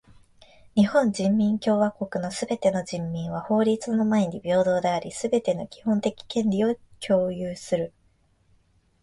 日本人民共和国のすべての人民は法律の前に平等であり、すべての基本的権利を享有する。